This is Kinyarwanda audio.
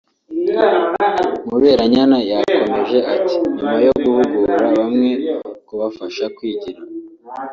Muberanyana yakomeje ati “Nyuma yo guhugura bamwe kubafasha kwigira